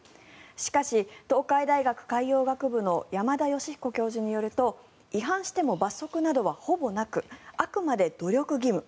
しかし、東海大学海洋学部の山田吉彦教授によると違反しても罰則などはほぼなくあくまで努力義務。